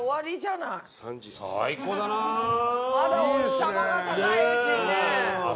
まだお日さまが高いうちにね。